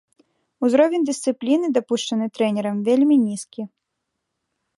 Узровень дысцыпліны, дапушчаны трэнерам, вельмі нізкі.